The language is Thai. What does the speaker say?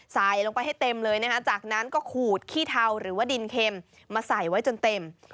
ใส่ลงไปให้เต็มเลยนะคะจากนั้นก็ขูดขี้เทาหรือว่าดินเค็มมาใส่ไว้จนเต็ม